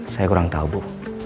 saya kurang tahu bu